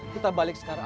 kita balik sekarang